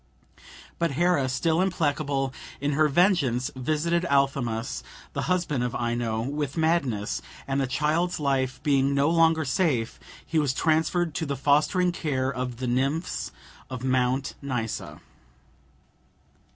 But Hera, still implacable in her vengeance, visited Athamas, the husband of Ino, with madness, and the child's life being no longer safe, he was transferred to the fostering care of the nymphs of Mount Nysa.